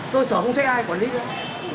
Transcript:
cơ sở không thấy ai quản lý nữa